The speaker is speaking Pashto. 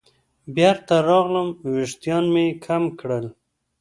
بېرته راغلم ویښتان مې کم کړل.